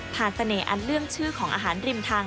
เสน่หอันเรื่องชื่อของอาหารริมทาง